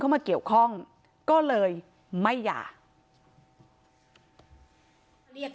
ทรัพย์สินที่เป็นของฝ่ายหญิง